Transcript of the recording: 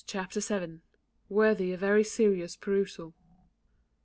Chapter vii. _Worthy a very serious perusal.